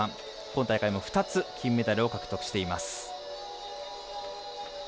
今大会も２つ金メダルを獲得しています。